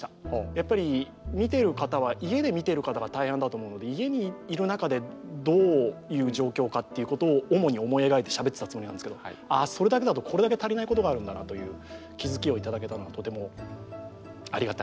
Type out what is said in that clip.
やっぱり見ている方は家で見ている方が大半だと思うので家にいる中でどういう状況かっていうことを主に思い描いてしゃべってたつもりなんですけどああそれだけだとこれだけ足りないことがあるんだなという気付きを頂けたのはとてもありがたい時間でした。